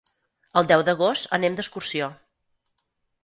El deu d'agost anem d'excursió.